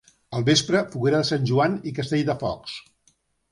Al vespre, foguera de Sant Joan i castell de focs.